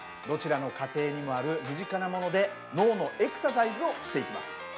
どちらの家庭にもある身近なもので脳のエクササイズをしていきます。